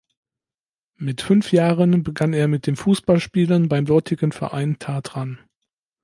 Mit fünf Jahren begann er mit dem Fußballspielen beim dortigen Verein Tatran.